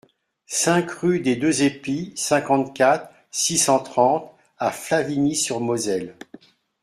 cinq rue des Deux Épis, cinquante-quatre, six cent trente à Flavigny-sur-Moselle